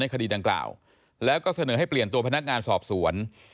คดีดังกล่าวแล้วก็เสนอให้เปลี่ยนตัวพนักงานสอบสวน